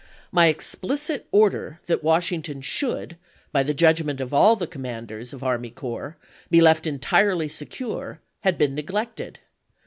My explicit order that Washington should, by the judgment of all the commanders of army corps, be left entirely secure, had been neglected.